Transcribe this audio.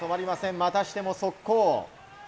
またしても速攻。